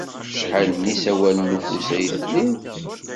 Acḥal n yisawalen n ufus ay tlid?